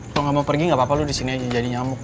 kalau nggak mau pergi gak apa apa lo disini aja jadi nyamuk